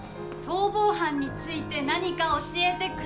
逃亡犯について何か教えて下さい。